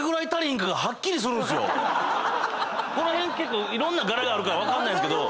この辺結構いろんな柄があるから分かんないですけど